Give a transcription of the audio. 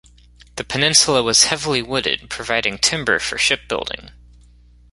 The peninsula was heavily wooded, providing timber for shipbuilding.